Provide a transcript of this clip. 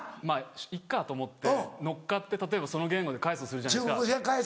まぁいっかと思って乗っかって例えばその言語で返すとするじゃないですか。